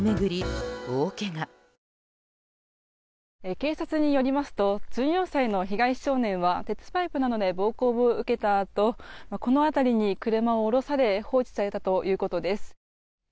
警察によりますと１４歳の被害少年は鉄パイプなどで暴行を受けたあとこの辺りに車を降ろされ放置されたということです。